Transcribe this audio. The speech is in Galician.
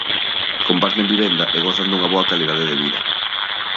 Comparten vivenda e gozan dunha boa calidade de vida.